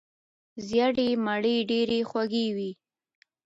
ژیړې مڼې ډیرې خوږې وي.